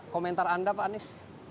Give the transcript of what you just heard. komentar anda pak anies